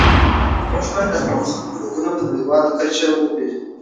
موږ باید د خپلو خلکو دودونه په نړيواله کچه وپېژنو.